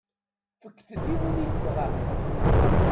Fket-t i win i tebɣam.